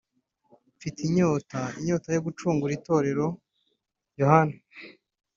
Mfite inyota (Inyota yo gucungura itorero) Yohana